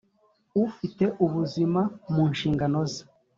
ufite ubuzima mu nshingano ze